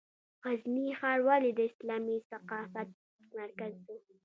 غزني ښار ولې د اسلامي ثقافت مرکز و؟